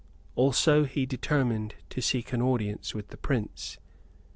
Also, he determined to seek an audience with the Prince.